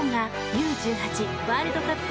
Ｕ‐１８ワールドカップ